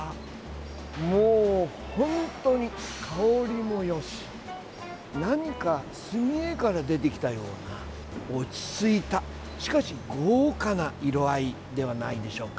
もう本当に香りもよし何か墨絵から出てきたような落ち着いた、しかし豪華な色合いではないでしょうか。